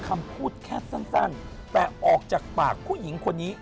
คำพูดแค่สั้นแต่ออกจากปากผู้หญิงคนนี้